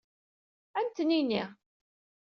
Ad am-t-nini.